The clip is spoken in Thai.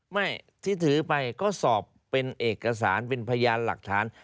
ไม่ที่ถือไปก็สอบเป็นเอกสารเป็นพยานหลักฐาน